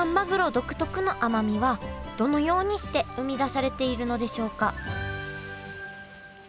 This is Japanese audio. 黒独特の甘みはどのようにして生み出されているのでしょうか？